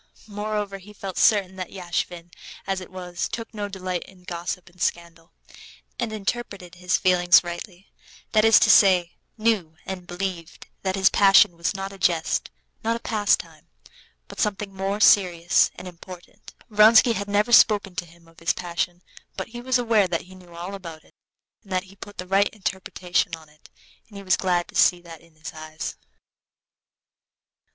Moreover, he felt certain that Yashvin, as it was, took no delight in gossip and scandal, and interpreted his feeling rightly, that is to say, knew and believed that this passion was not a jest, not a pastime, but something more serious and important. Vronsky had never spoken to him of his passion, but he was aware that he knew all about it, and that he put the right interpretation on it, and he was glad to see that in his eyes.